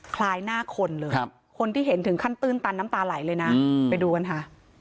คล้ายหน้าคนเลยคนที่เห็นถึงขั้นตื้นตันน้ำตาไหลเลยนะไปดูกันค่ะ